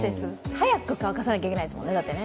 速く乾かさなきゃいけないですもんね。